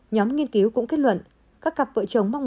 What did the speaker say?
nhóm nghiên cứu cũng kết luận các cặp vợ chồng mong